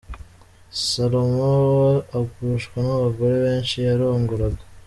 Salomo agushwa n’abagore benshi yarongoraga.